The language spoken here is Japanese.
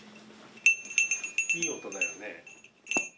いい音だよね。